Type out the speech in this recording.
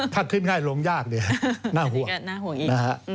ถ้าขึ้นง่ายลงยากน่าห่วง